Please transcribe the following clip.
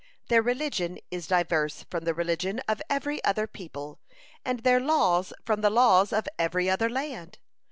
Their religion is diverse from the religion of every other people, and their laws from the laws of every other land.